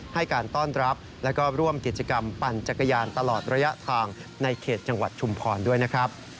ให้การต้อนรับแล้วก็ร่วมกิจกรรมปั่นจักรยานตลอดระยะทางในเขตจังหวัดชุมพรด้วยนะครับ